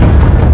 aku akan menang